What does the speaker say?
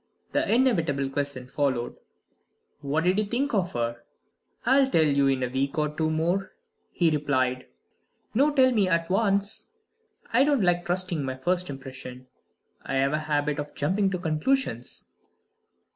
The inevitable question followed. What did he think of her? "I'll tell you in a week or two more," he replied. "No! tell me at once." "I don't like trusting my first impression; I have a bad habit of jumping to conclusions."